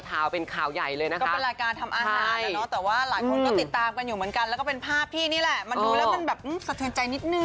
มันดูแล้วมันแบบสะเทือนใจนิดนึง